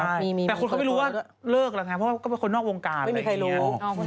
แต่คนเขาไม่รู้ว่าเลิกแล้วไงเพราะว่าเขาเป็นคนนอกวงการอะไรอย่างนี้